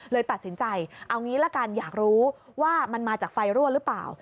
เลยตัดสินใจเอางี้ละกันอยากรู้ว่ามันมาจากไฟรั่วหรือเปล่า